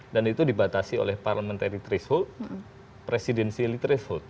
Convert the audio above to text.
dan itu dibatasi oleh parlementari trish holt presidensi trish holt